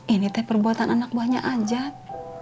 ini teh perbuatan anak buahnya ajab